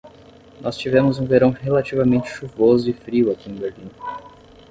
Nós tivemos um verão relativamente chuvoso e frio aqui em Berlim.